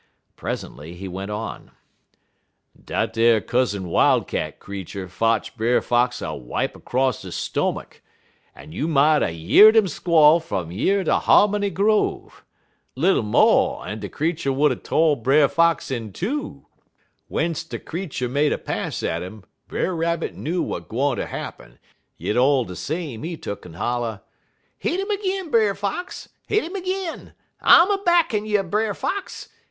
Presently he went on: "Dat ar Cousin Wildcat creetur fotch Brer Fox a wipe 'cross de stomach, en you mought a yeard 'im squall fum yer ter Harmony Grove. Little mo' en de creetur would er to' Brer Fox in two. W'ence de creetur made a pass at 'im, Brer Rabbit knew w'at gwine ter happen, yit all de same he tuck'n holler: "'Hit 'im ag'in, Brer Fox! Hit 'im ag'in! I'm a backin' you, Brer Fox!